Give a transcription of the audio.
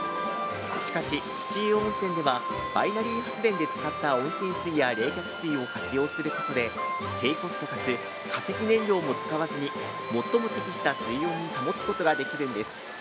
しかし、土湯温泉ではバイナリー発電で使った温泉水や冷却水を活用することで低コストかつ化石燃料も使わずに最も適した水温に保つことができるんです。